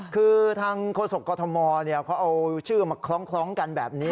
คือทางโฆษกกรทมเขาเอาชื่อมาคล้องกันแบบนี้